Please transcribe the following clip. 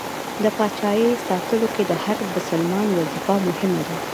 د پاچایۍ ساتلو کې د هر بسلمان وظیفه مهمه ده.